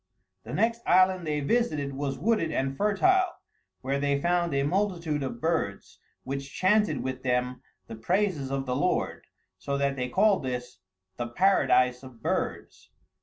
The next island they visited was wooded and fertile, where they found a multitude of birds, which chanted with them the praises of the Lord, so that they called this the Paradise of Birds.